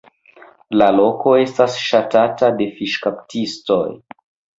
La loko estas ŝatata de fiŝkaptistoj.